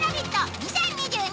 ２０２２」